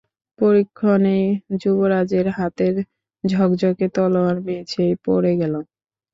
পরীক্ষণেই যুবরাজের হাতের ঝকঝকে তলোয়ার মেঝেয় পড়ে গেল।